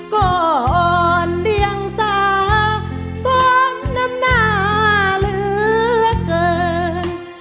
ก่อนเดียงสาซ้อนน้ำหน้าเหลือเกิน